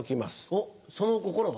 おっその心は？